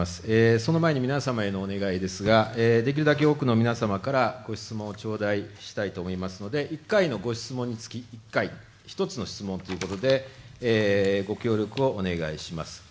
その前に皆様へのお願いですができるだけ多くの皆様からご質問を頂戴したいと思いますので１回のご質問に月１回、１つの質問ということでご協力をお願いいたします。